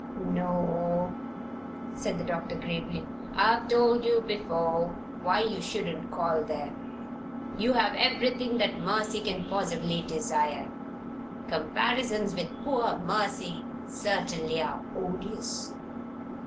"No," said the doctor, gravely. "I have told you before why you shouldn't call there. You have everything that Mercy can possibly desire. Comparisons with poor Mercy certainly are odious.